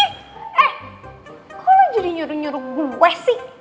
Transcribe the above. eh kok lo jadi nyuruh nyuruh gue sih